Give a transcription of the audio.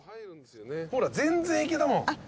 ほら全然いけたもん。